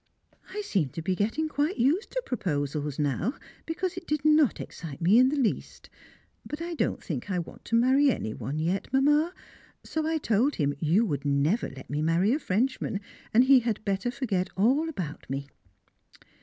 I seem to be getting quite used to proposals now, because it did not excite me in the least. But I don't think I want to marry any one yet, Mamma; so I told him you would never let me marry a Frenchman, and he had better forget all about me.